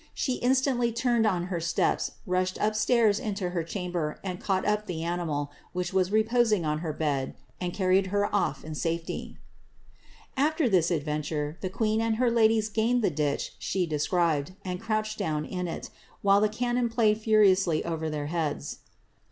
She instantly oraed on her steps, rushed up stairs into her chamber, and caught up be animal, which was reposing on her bed, and carried her off in safety." ^ kfter this adventure, the queen and her ladies gained the ditch she de cribed, and crouched down in it, while the cannon played furiously iver their heads.